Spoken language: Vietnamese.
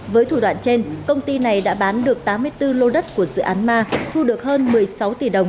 với thủ đoạn trên công ty này đã bán được tám mươi bốn lô đất của dự án ma thu được hơn một mươi sáu tỷ đồng